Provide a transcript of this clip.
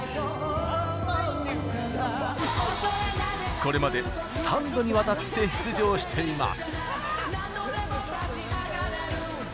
これまで３度にわたって出場しています。